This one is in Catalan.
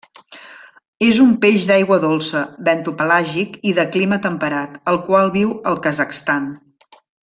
És un peix d'aigua dolça, bentopelàgic i de clima temperat, el qual viu al Kazakhstan.